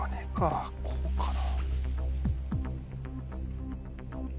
こうかな？